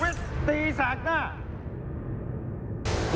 สำหรับคอบอลสำหรับกรณีเลือกการล้มบอลค่ะ